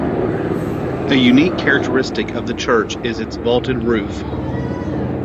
A unique characteristic of the church is its vaulted roof.